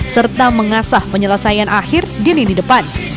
serta mengasah penyelesaian akhir di lini depan